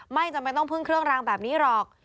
ไม่จำเป็นต้องพึ่งเครื่องรางแบบนี้หรอก